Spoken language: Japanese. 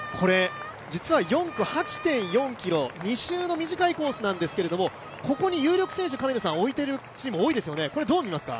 実は４区８．４ｋｍ、２周の短いコースなんですが、ここに有力選手置いているチームが多いですよね、どう見ますか。